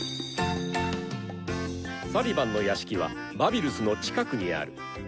サリバンの屋敷はバビルスの近くにある。